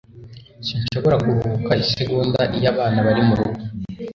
Sinshobora kuruhuka isegonda iyo abana bari murugo.